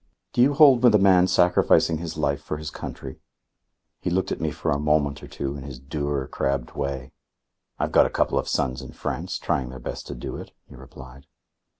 "Do you hold with a man sacrificing his life for his country?" He looked at me for a moment or two, in his dour, crabbed way. "I've got a couple of sons in France, trying their best to do it," he replied.